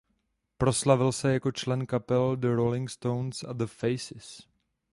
Proslavil se jako člen kapel The Rolling Stones a The Faces.